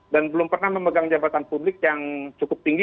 dan belum pernah memegang jabatan publik yang cukup tinggi